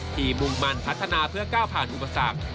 มุ่งมันพัฒนาเพื่อก้าวผ่านอุปสรรค